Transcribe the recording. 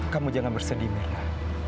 kamu jangan bersedih mirna